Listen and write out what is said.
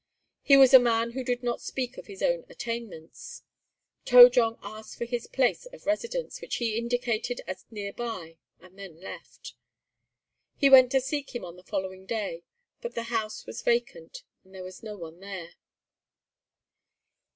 He was a man who did not speak of his own attainments. To jong asked for his place of residence, which he indicated as near by, and then left. He went to seek him on the following day, but the house was vacant, and there was no one there.